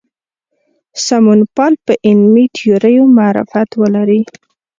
سمونپال په علمي تیوریو معرفت ولري.